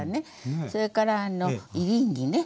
それからエリンギね。